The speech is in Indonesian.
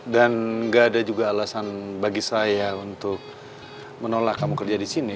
dan enggak ada juga alasan bagi saya untuk menolak kamu kerja di sini